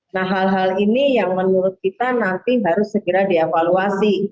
nah hal hal ini yang menurut kita nanti harus segera dievaluasi